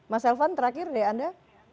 mas elvan terakhir dari anda